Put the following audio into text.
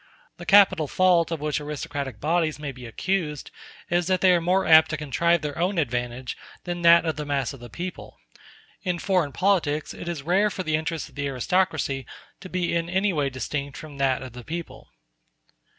The capital fault of which aristocratic bodies may be accused is that they are more apt to contrive their own advantage than that of the mass of the people. In foreign politics it is rare for the interest of the aristocracy to be in any way distinct from that of the people.